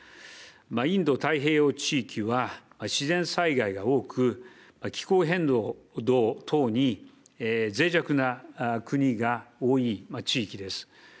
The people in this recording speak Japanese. インド太平洋地域は、自然災害が多く、気候変動等にぜい弱な国が多い地域です。